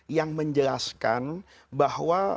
yang menjelaskan bahwa